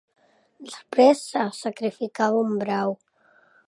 Després se sacrificava un brau.